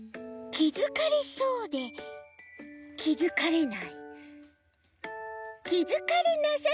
きづかれなさそうできづかれる。